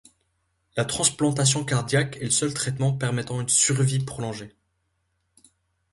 La transplantation cardiaque est le seul traitement permettant une survie prolongée.